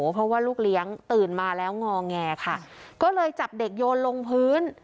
เพราะว่าลูกเลี้ยงตื่นมาแล้วงอแงค่ะก็เลยจับเด็กโยนลงพื้น